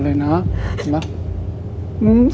โดยยังไม่ต้องฆ่าว่ากับสั่งใส่ความจนสุดมีครเองป่ะ